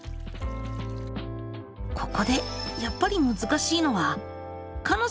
ここでやっぱり難しいのはかの。